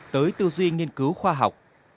tới tư duy nghiên cứu khoa học